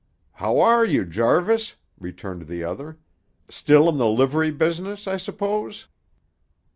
"How are you, Jarvis?" returned the other. "Still in the livery business, I suppose?"